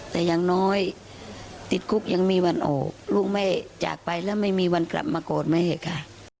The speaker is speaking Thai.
แต่อย่างน้อยติดคุกยังมีวันออกลูกแม่จากไปแล้วไม่มีวันกลับมากอดแม่ค่ะ